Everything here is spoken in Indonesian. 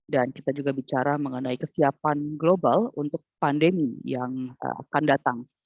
dan kita juga bicara mengenai kesiapan global untuk pandemi yang akan datang